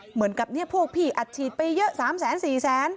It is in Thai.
เหมือนกับพี่อาจฉีดไปเยอะ๓แสน๔แสน